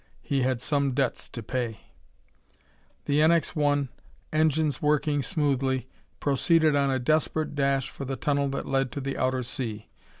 He had some debts to pay. The NX 1, engines working smoothly, proceeded on a desperate dash for the tunnel that led to the outer sea.